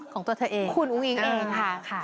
ของตัวเธอเองคุณอุ้งอิงเองค่ะ